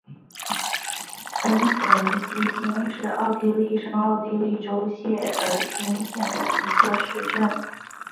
恩岑基兴是奥地利上奥地利州谢尔丁县的一个市镇。